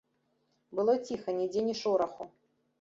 Было ціха, нідзе ні шораху.